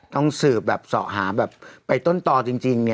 ต้องเสริมศอดสุมศาสนแบบไปต้นตอจริง